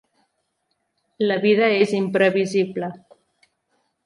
La vida és imprevisible.